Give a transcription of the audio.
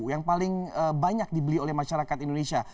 yang paling banyak dibeli oleh masyarakat indonesia